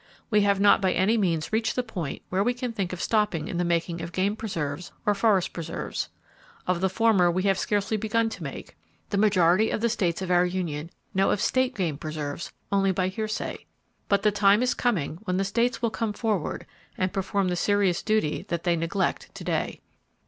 We have not by any means reached the point where we can think of stopping in the making of game preserves, or forest preserves. Of the former, we have scarcely begun to make. The majority of the states of our Union know of state game preserves only by hearsay. But the time is coming when the states will come forward, and perform the serious duty that they neglect to day.